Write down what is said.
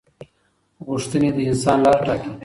غوښتنې د انسان لار ټاکي.